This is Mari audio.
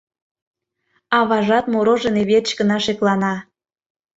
Аважат мороженый верч гына шеклана.